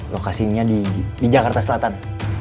lokasinya di jakarta selatan